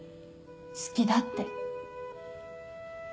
「好きだ」って。